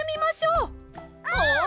うん！